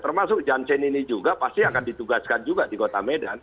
termasuk johnssen ini juga pasti akan ditugaskan juga di kota medan